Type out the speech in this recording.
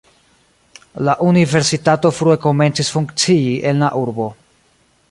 La universitato frue komencis funkcii en la urbo.